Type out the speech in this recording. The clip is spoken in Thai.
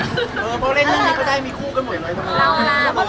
เออพวกเล่นร่างมีก็ได้มีคู่กันหมดหน่อยทุกคน